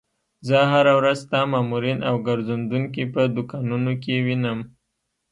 زه هره ورځ ستا مامورین او ګرځېدونکي په دوکانونو کې وینم.